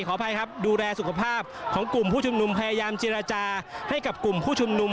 อภัยครับดูแลสุขภาพของกลุ่มผู้ชุมนุมพยายามเจรจาให้กับกลุ่มผู้ชุมนุม